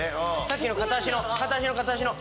さっきの片足の。